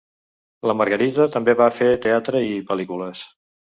La Margarita també va fer teatre i pel·lícules.